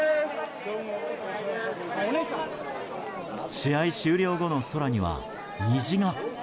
試合終了後の空には、虹が。